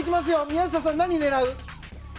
宮下さん、何を狙う？